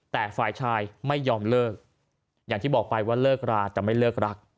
แต่ฝ่ายชายไม่ยอมเลิกอย่างที่บอกไปว่าเลิกราแต่ไม่เลิกรัก